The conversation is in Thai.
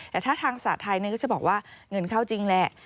แต่ถ้าทางศาสตร์ไทยก็จะบอกว่าเงินเข้าจริงแหละ